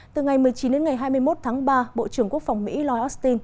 từ ngày một mươi chín đến ngày hai mươi một tháng ba bộ trưởng quốc phòng mỹ lloyd austin